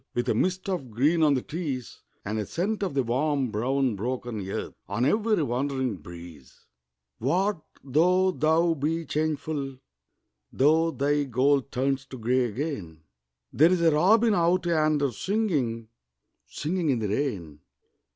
With a mist of green on the trees And a scent of the warm brown broken earth On every wandering breeze; What, though thou be changeful, Though thy gold turns to grey again, There's a robin out yonder singing, Singing in the rain.